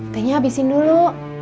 tehnya habisin dulu